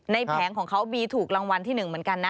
แผงของเขาบีถูกรางวัลที่๑เหมือนกันนะ